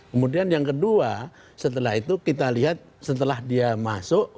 kemudian yang kedua setelah itu kita lihat setelah dia masuk